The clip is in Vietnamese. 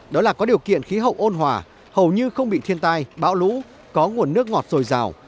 đó là có điều kiện khí hậu ôn hòa hầu như không bị thiên tai bão lũ có nguồn nước ngọt dồi dào